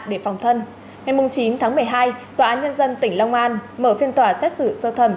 để phòng thân ngày chín tháng một mươi hai tòa án nhân dân tỉnh long an mở phiên tòa xét xử sơ thẩm